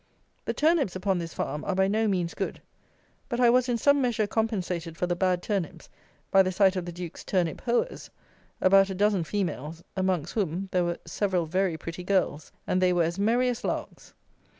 The turnips upon this farm are by no means good; but I was in some measure compensated for the bad turnips by the sight of the Duke's turnip hoers, about a dozen females, amongst whom there were several very pretty girls, and they were as merry as larks.